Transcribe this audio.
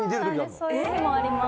そういう日もあります。